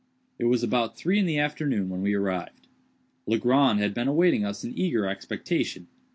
It was about three in the afternoon when we arrived. Legrand had been awaiting us in eager expectation.